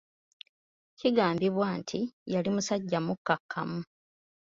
Kigambibwa nti yali musajja mukkakkamu.